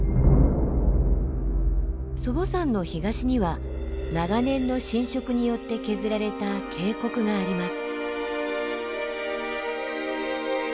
祖母山の東には長年の浸食によって削られた渓谷があります。